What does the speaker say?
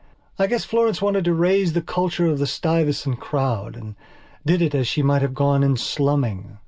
I guess Florence wanted to raise the culture of the Stuyvesant crowd and did it as she might have gone in slumming.